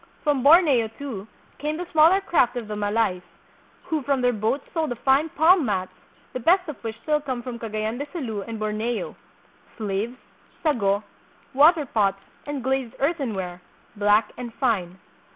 From Borneo, too, came the smaller craft of the Malays, who from their boats sold the fine palm mats, the best of which still come from Cagayan de Sulu and Borneo, slaves, sago, water pots and glazed earthenware, black and fine.